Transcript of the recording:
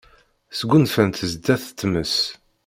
Sgunfant sdat tmes.